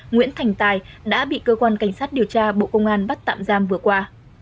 nguyễn thành tài đã bị cơ quan cảnh sát điều tra bộ công an bắt tạm giam vừa qua